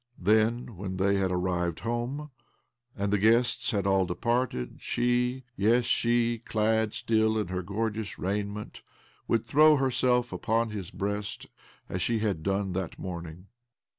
Then, when they had arrived home and the guests had all departed, she, yes, she — clad still in her gorgeous raiment — would throw herself upon his breast as she had done that morning